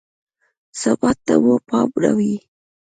ثبات ته مو پام نه وي.